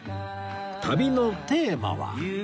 旅のテーマは